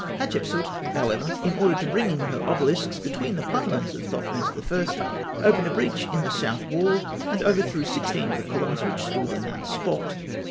Hatshepsût, however, in order to bring in her obelisks between the pylons of Thothmes I., opened a breach in the south wall, and overthrew sixteen of the columns which stood in that spot.